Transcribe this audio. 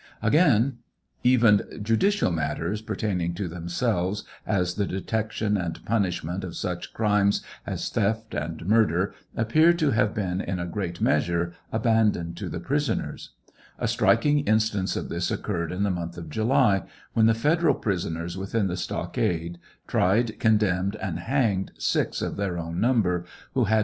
Again : Even judicial matters pertaining to themselves, as the detection and punishment of such crimes as theft and murder, appear to have been in a great measure abandoned to the prison ers. A striking instance of this occurred in the month of July, when the federal prisoners within the stockade tried, condemned, and hanged six (6) of their own number who 'had TRIAL OF HENRY WIRZ.